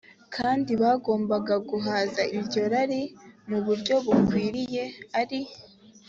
kandi bagombaga guhaza iryo rari mu buryo bukwiriye ari